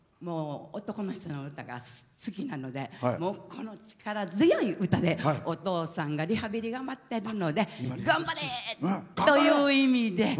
男の人の歌が好きなのでこの力強い歌でお父さんがリハビリ頑張ってるので頑張れ！という意味で。